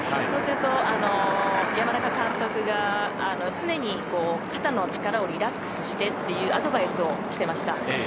そうすると、山中監督が常に肩の力をリラックスしてというアドバイスをしてました。